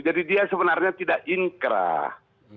jadi dia sebenarnya tidak inkrah